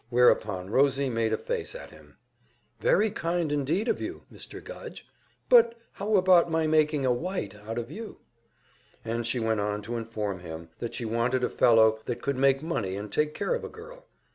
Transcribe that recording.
Whereupon Rosie made a face at him. "Very kind indeed of you, Mr. Gudge! But how about my making a `White' out of you?" And she went on to inform him that she wanted a fellow that could make money and take care of a girl.